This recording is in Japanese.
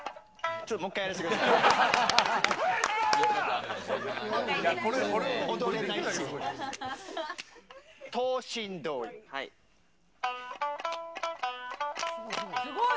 ちょっともう１回やらせてください。